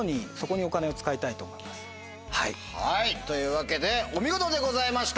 というわけでお見事でございました！